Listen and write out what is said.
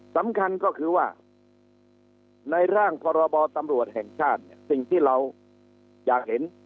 สำคัญก็คือว่าในร่างพรบตำรวจแห่งชาติเนี่ยสิ่งที่เราอยากเห็น